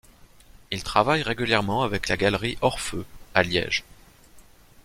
Il travaille régulièrement avec la galerie Orpheu à Liège.